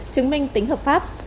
chứng minh tính hợp pháp